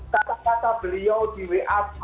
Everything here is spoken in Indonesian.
jadi kata kata beliau di wa group bosec